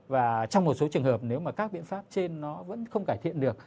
và trong một số trường hợp nếu mà các biện pháp trên nó vẫn không cải thiện được